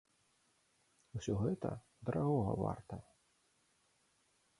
Усё гэта дарагога варта.